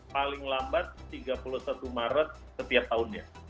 paling lambat tiga puluh satu maret setiap tahunnya